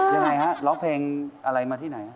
ยังไงฮะร้องเพลงอะไรมาที่ไหน